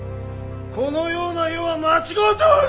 このような世は間違うておる！